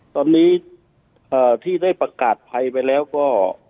ตอนนี้ที่ได้ประกาศภัยไปแล้วก็